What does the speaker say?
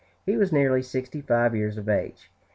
He was nearly sixty five years of age.